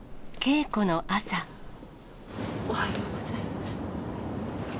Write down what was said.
おはようございます。